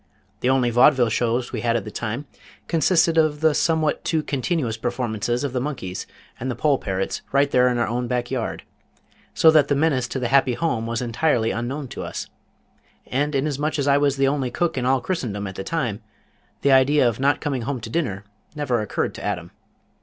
The only Vaudeville shows we had at the time consisted of the somewhat too continuous performances of the monkeys and the poll parrots right there in our own back yard, so that that menace to the happy home was entirely unknown to us, and inasmuch as I was the only cook in all Christendom at the time, the idea of not coming home to dinner never occurred to Adam.